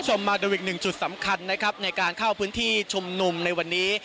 ชมมาดวิก๑จุดสำคัญในการเข้าบนที่ชมนุมในวันนี้